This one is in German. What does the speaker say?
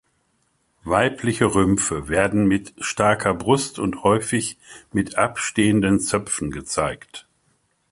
Weibliche Rümpfe werden mit starker Brust und häufig mit abstehenden Zöpfen gezeigt.